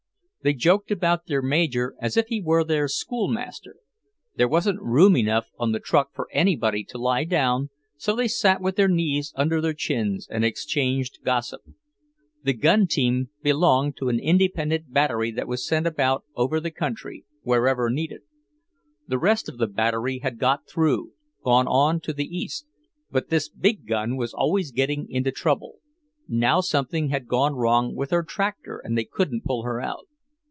They joked about their Major as if he were their schoolmaster. There wasn't room enough on the truck for anybody to lie down, so they sat with their knees under their chins and exchanged gossip. The gun team belonged to an independent battery that was sent about over the country, "wherever needed." The rest of the battery had got through, gone on to the east, but this big gun was always getting into trouble; now something had gone wrong with her tractor and they couldn't pull her out.